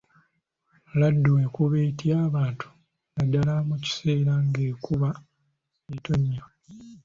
Laddu ekuba etya abantu naddala mu kaseera ng'ekuba ettonya.